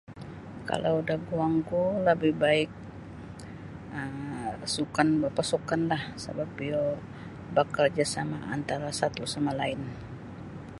Kalau daguangku labih baik um sukan barpasukanlah sabap iyo bakarjasama antara satu sama lain.